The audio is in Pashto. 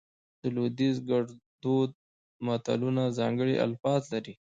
د لودیز ګړدود متلونه ځانګړي الفاظ لري